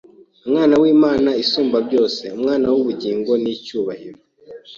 Umwana w’Imana Isumbabyose, Umwami w’ubugingo n’icyubahiro,